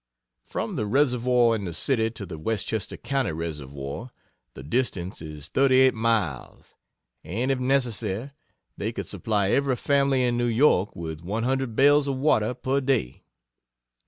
From the reservoir in the city to the Westchester county reservoir, the distance is thirty eight miles! and if necessary, they could supply every family in New York with one hundred barrels of water per day!